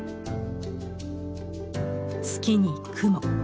月に雲。